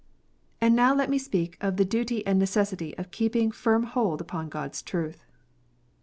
And now let me speak of the duty and necessity of keeping firm hold upon God s truth.